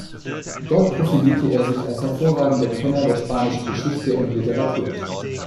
Dort profilierte er sich als hervorragender Kenner der spanischen Geschichte und Literatur.